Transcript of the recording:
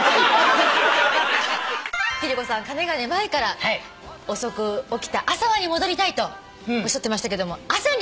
貴理子さんかねがね前から『おそく起きた朝は』に戻りたいとおっしゃってましたけど朝に。